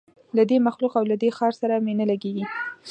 له دې مخلوق او له دې ښار سره مي نه لګیږي